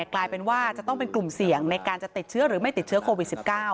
กลายเป็นว่าจะต้องเป็นกลุ่มเสี่ยงในการจะติดเชื้อหรือไม่ติดเชื้อโควิด๑๙